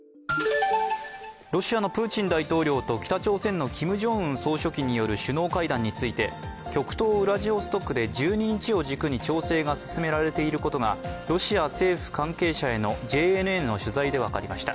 ロシアのプーチン大統領と北朝鮮のキム・ジョンウン総書記による首脳会談について極東ウラジオストクで１２日を軸に調整が進められていることがロシア政府関係者へのＪＮＮの取材で分かりました。